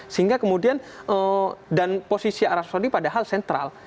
sehingga kemudian dan posisi arab saudi padahal sentral